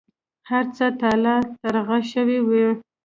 هر څه تالا ترغه شوي وو.